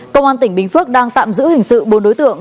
công an tỉnh bình phước đang tạm giữ hình sự bốn đối tượng